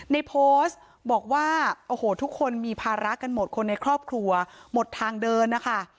ในโพสต์บอกว่าโอ้โหทุกคนมีภาระกันหมดคนในครอบครัวหมดทางเดินนะคะ